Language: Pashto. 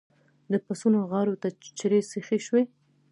د پسونو غاړو ته چړې سيخې شوې.